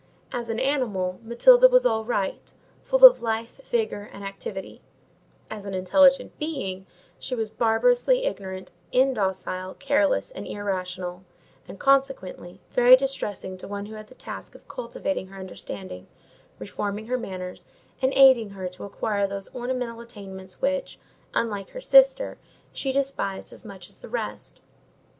As an animal, Matilda was all right, full of life, vigour, and activity; as an intelligent being, she was barbarously ignorant, indocile, careless and irrational; and, consequently, very distressing to one who had the task of cultivating her understanding, reforming her manners, and aiding her to acquire those ornamental attainments which, unlike her sister, she despised as much as the rest.